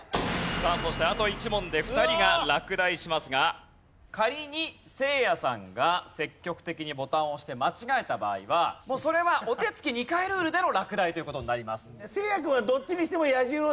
さあそしてあと１問で２人が落第しますが仮にせいやさんが積極的にボタンを押して間違えた場合はもうそれはお手つき２回ルールでの落第という事になります。